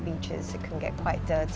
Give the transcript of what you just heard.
bisa terlalu berat